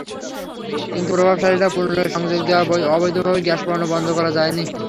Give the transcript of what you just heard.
কিন্তু প্রভাবশালীরা পুনরায় সংযোগ দেওয়ায় অবৈধভাবে গ্যাস পোড়ানো বন্ধ করা যায়নি।